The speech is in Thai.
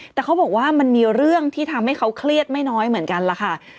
แต่เขาบอกว่ามันมีเรื่องที่ทำให้เขาเครียดไม่น้อยเหมือนกันล่ะค่ะ